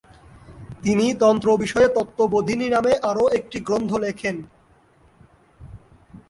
তিনি তন্ত্র বিষয়ে তত্ত্ববোধিনী নামে আরও একটি গ্রন্থ লেখেন।